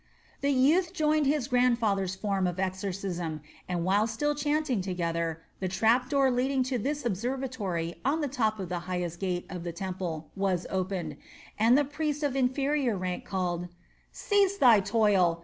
The youth joined his grandfather's form of exorcism, and while still chanting together, the trap door leading to this observatory on the top of the highest gate of the temple was opened, and a priest of inferior rank called: "Cease thy toil.